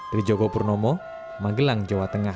dari joko purnomo magelang jawa tengah